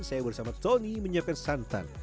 saya bersama tony menyiapkan santan